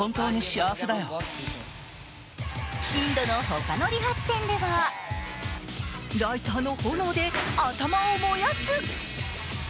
インドの他の理髪店ではライターの炎で頭を燃やす。